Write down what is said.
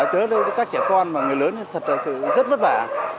trước đây các trẻ con và người lớn thật là sự rất vất vả